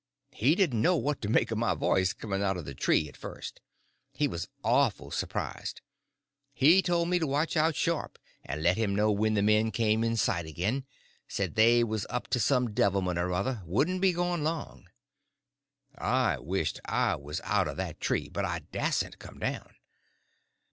He didn't know what to make of my voice coming out of the tree at first. He was awful surprised. He told me to watch out sharp and let him know when the men come in sight again; said they was up to some devilment or other—wouldn't be gone long. I wished I was out of that tree, but I dasn't come down.